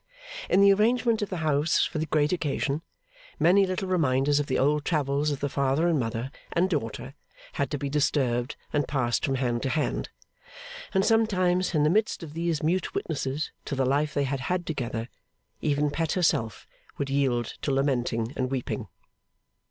In the arrangement of the house for the great occasion, many little reminders of the old travels of the father and mother and daughter had to be disturbed and passed from hand to hand; and sometimes, in the midst of these mute witnesses, to the life they had had together, even Pet herself would yield to lamenting and weeping.